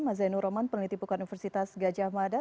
mbak zainul roman pengeliti pukul universitas gajah mada